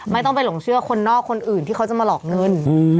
ไม่ต้องไปหลงเชื่อคนนอกคนอื่นที่เขาจะมาหลอกเงิน